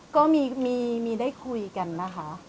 ก็ได้คุยกันนะคะ